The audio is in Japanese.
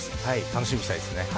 楽しみにしたいですね。